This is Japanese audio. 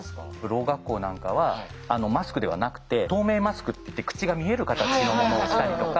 ろう学校なんかはマスクではなくて透明マスクっていって口が見える形のものをしたりとか。